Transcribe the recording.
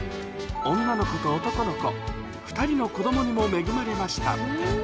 女の子と男の子、２人の子どもにも恵まれました。